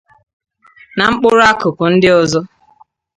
nà mkpụrụ akụkụ ndị ọzọ